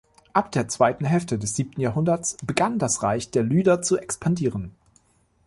Ab der zweiten Hälfte des siebten Jahrhunderts begann das Reich der Lyder zu expandieren.